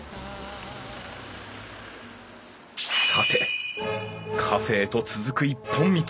さてカフェへと続く一本道。